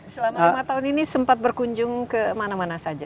selama lima tahun ini sempat berkunjung kemana mana saja